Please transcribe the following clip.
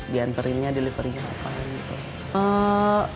diantarinnya delivery nya apaan gitu